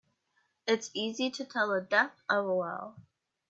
It's easy to tell the depth of a well.